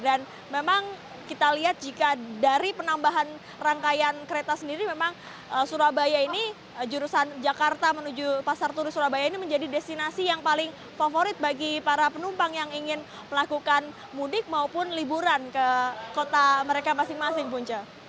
dan memang kita lihat jika dari penambahan rangkaian kereta sendiri memang surabaya ini jurusan jakarta menuju pasar turi surabaya ini menjadi destinasi yang paling favorit bagi para penumpang yang ingin melakukan mudik maupun liburan ke kota mereka masing masing punca